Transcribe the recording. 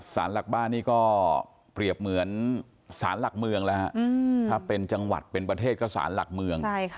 สารหลักบ้านนี่ก็เปรียบเหมือนสารหลักเมืองแล้วฮะถ้าเป็นจังหวัดเป็นประเทศก็สารหลักเมือง